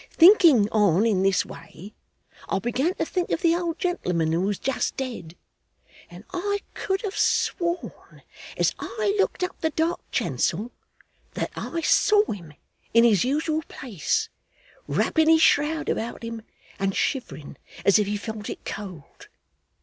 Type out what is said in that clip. Thinking on in this way, I began to think of the old gentleman who was just dead, and I could have sworn, as I looked up the dark chancel, that I saw him in his usual place, wrapping his shroud about him and shivering as if he felt it cold.